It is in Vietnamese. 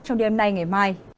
trong đêm nay ngày mai